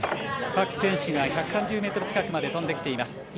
各選手が１３０ｍ近くまで飛んできています。